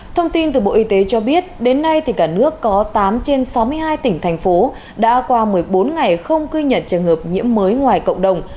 thông tin từ bộ y tế cho biết đến nay cả nước có tám trên sáu mươi hai tỉnh thành phố đã qua một mươi bốn ngày không ghi nhận trường hợp nhiễm mới ngoài cộng đồng